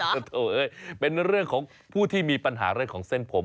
โถเอ้ยเป็นเรื่องของผู้ที่มีปัญหาเรื่องของเส้นผม